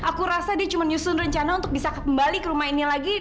aku rasa dia cuma nyusun rencana untuk bisa kembali ke rumah ini lagi